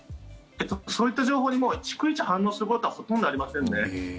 そういった情報に逐一反応することはほとんどありませんね。